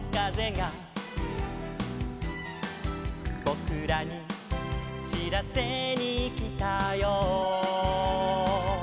「ぼくらにしらせにきたよ」